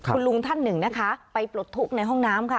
คุณลุงท่านหนึ่งนะคะไปปลดทุกข์ในห้องน้ำค่ะ